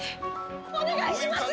お願いします！